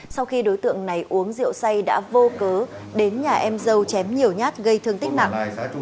sau khi đối tượng này uống rượu say đã vô cớ đến nhà em dâu chém nhiều nhát gây thương tích nặng